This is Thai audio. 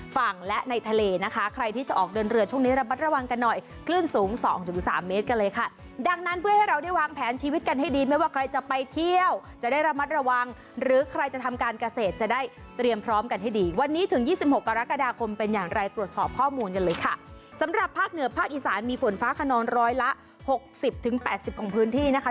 พร้อมกันให้ดีวันนี้ถึงยี่สิบหกฯกรกฎาคมเป็นอย่างไรตรวจสอบข้อมูลเยอะเลยค่ะสำหรับภาคเหนือภาคอีสานมีฝนฟ้าคนนร้อยละหกสิบถึงแปดสิบของพื้นที่นะคะ